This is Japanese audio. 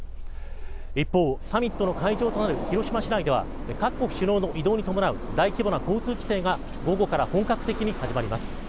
一方、サミットの会場となる広島市内では各国首脳の移動に伴う大規模な交通規制が午後から本格的に始まります。